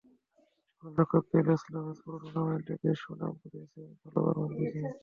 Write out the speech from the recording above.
গোলরক্ষক কেইলর নাভাসও পুরো টুর্নামেন্টে বেশ সুনাম কুড়িয়েছিলেন ভালো পারফরম্যান্স দেখিয়ে।